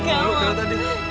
bukannya kamu sudah berubah